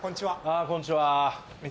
ああこんにちは。